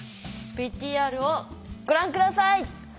ＶＴＲをご覧下さい！